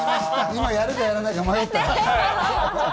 今やるかやらないか迷った。